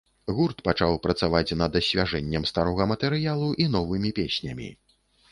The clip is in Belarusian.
Гурт пачаў працаваць над асвяжэннем старога матэрыялу і новымі песнямі.